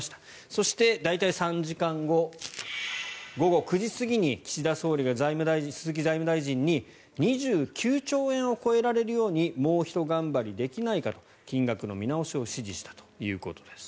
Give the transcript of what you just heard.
そして、大体３時間後午後９時過ぎに岸田総理が鈴木財務大臣に２９兆円を超えられるようにもうひと頑張りできないかと金額の見直しを指示したということです。